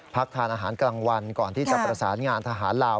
ทานอาหารกลางวันก่อนที่จะประสานงานทหารลาว